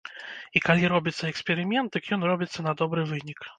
І калі робіцца эксперымент, дык ён робіцца на добры вынік.